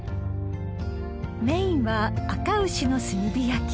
［メインはあか牛の炭火焼き］